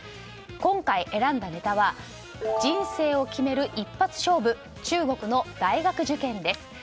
今回、選んだネタは人生を決める一発勝負中国の大学受験です。